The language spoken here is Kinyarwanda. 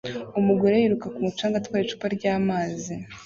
Umugore yiruka ku mucanga atwaye icupa ryamazi